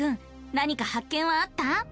なにか発見はあった？